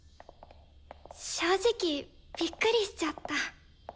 正直びっくりしちゃった。